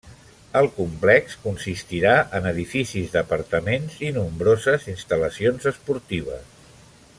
El complex consistirà en edificis d'apartaments i nombroses instal·lacions esportives.